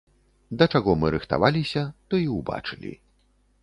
Да чаго мы рыхтаваліся, то і ўбачылі.